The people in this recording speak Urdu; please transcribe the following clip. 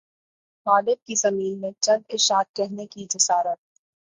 غالب کی زمین میں چند اشعار کہنے کی جسارت